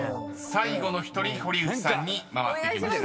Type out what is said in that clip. ［最後の１人堀内さんに回ってきました］